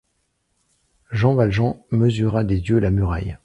Jean Valjean mesura des yeux la muraille